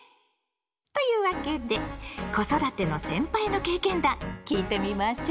というわけで子育ての先輩の経験談聞いてみましょう。